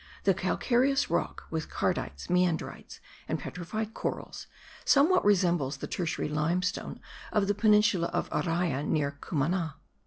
The calcareous rock, with cardites, meandrites and petrified corals, somewhat resembles the tertiary limestone of the peninsula of Araya near Cumana.